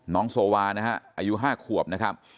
น้องโซวานะครับอายุ๕ขวบนะครับ